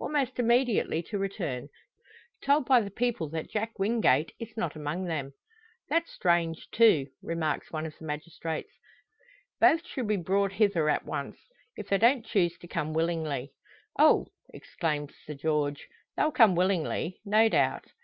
Almost immediately to return told by the people that Jack Wingate is not among them. "That's strange, too!" remarks one of the magistrates. "Both should be brought hither at once if they don't choose to come willingly." "Oh!" exclaims Sir George, "they'll come willingly," no doubt.